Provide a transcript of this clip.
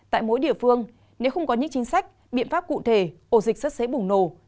tại mỗi địa phương nếu không có những chính sách biện pháp cụ thể ổ dịch rất dễ bùng nổ